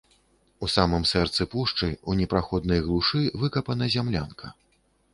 У самым сэрцы пушчы, у непраходнай глушы выкапана зямлянка.